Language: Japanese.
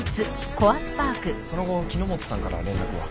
その後木之本さんから連絡は？